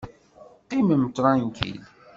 Qqimem ṭṛankil!